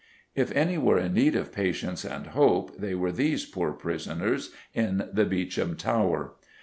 If any were in need of patience and of hope they were these poor prisoners in the Beauchamp Tower.